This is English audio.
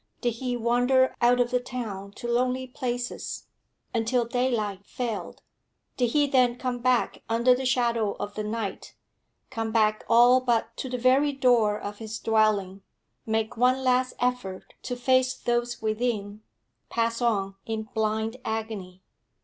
Did he wander out of the town to lonely places, until daylight failed? Did he then come back under the shadow of the night, come back all but to the very door of his dwelling, make one last effort to face those within, pass on in blind agony?